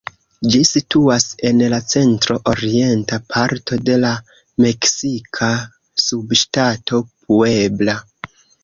Ĝi situas en la centro-orienta parto de la meksika subŝtato Puebla.